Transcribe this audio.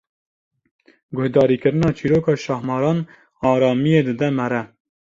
Guhdarîkirina çîroka şahmaran, aramiyê dide mere.